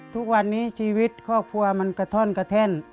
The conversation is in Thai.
ทุกวันนี้ชีวิตครอบครัวมันกระท่อนกระแท่น